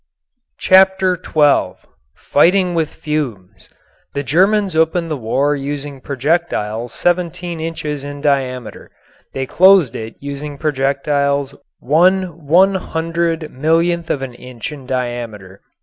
CHAPTER XII FIGHTING WITH FUMES The Germans opened the war using projectiles seventeen inches in diameter. They closed it using projectiles one one hundred millionth of an inch in diameter.